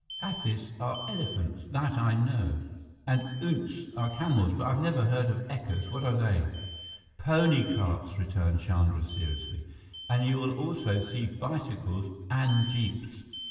"Hathis are elephants, that I know. And oonts are camels. But I never heard of ekkas. What are they?" "Pony carts," returned Chandra seriously, "and you will also see bicycles and jeeps."